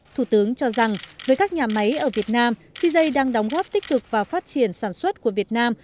thủ tướng cho rằng với các nhà máy ở việt nam cz đang đóng góp tích cực vào phát triển sản xuất của việt nam